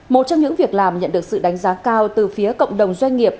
một trong những việc làm nhận được sự đánh giá cao từ phía cộng đồng doanh nghiệp